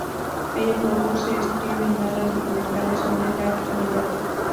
Ella produce, escribe y narra documentales sobre la actualidad.